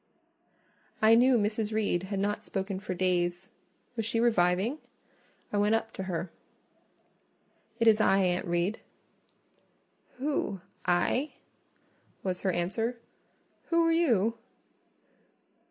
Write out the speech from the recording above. I knew Mrs. Reed had not spoken for days: was she reviving? I went up to her. "It is I, Aunt Reed." "Who—I?" was her answer. "Who are you?"